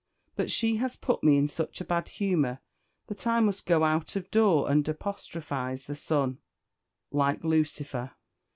But she has put me in such a bad humour that I must go out of door and apostrophise the sun, like Lucifer.